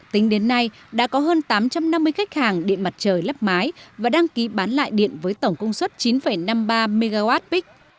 tính đến nay đã có hơn tám trăm năm mươi khách hàng điện mặt trời lắp mái và đăng ký bán lại điện với tổng công suất chín năm mươi ba mwp